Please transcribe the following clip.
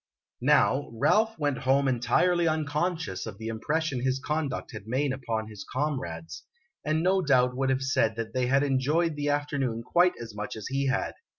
Now, Ralph went home entirely unconscious of the impression his conduct had made upon his comrades, and no doubt would have said that they had enjoyed the afternoon quite as much as he had.